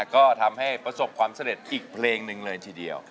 ก็ทำให้ประสบความสำเร็จอีกเพลงหนึ่งเลยทีเดียว